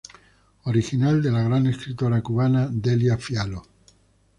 Original de la gran escritora cubana Delia Fiallo.